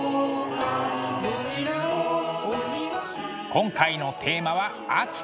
今回のテーマは「秋」。